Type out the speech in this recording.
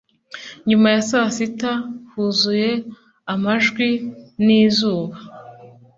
Nyuma ya saa sita huzuye amajwi nizuba